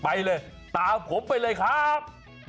ไปเลยตามผมไปเลยครับ